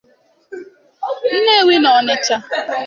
Nnewi na Ọnịtsha